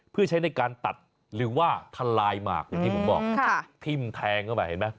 เพื่อใช้ในการตัดหรือว่าทลายหมากอย่างที่ผมบอกทิ้มแทงเข้ามาเห็นไหม